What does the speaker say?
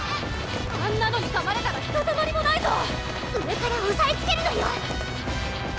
あんなのにかまれたらひとたまりもないぞ上からおさえつけるのよ！